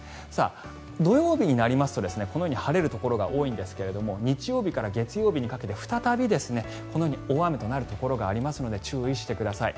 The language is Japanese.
土曜日になりますとこのように晴れるところが多いんですが日曜日から月曜日にかけて再びこのように大雨となるところがありますので注意してください。